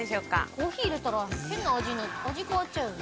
コーヒー入れたら味変わっちゃうよね。